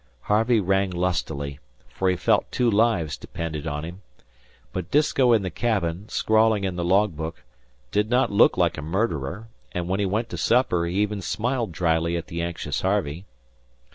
Harvey rang lustily, for he felt two lives depended on him. But Disko in the cabin, scrawling in the log book, did not look like a murderer, and when he went to supper he even smiled dryly at the anxious Harvey.